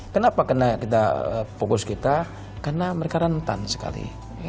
kenapa karena kita fokus kita karena mereka rentan sekali